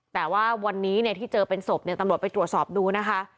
แต่ว่าวันนี้ที่เจอเป็นศพตำรวจไปตรวจสอบดูนะคะ